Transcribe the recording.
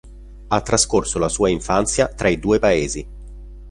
Ha trascorso la sua infanzia tra i due paesi.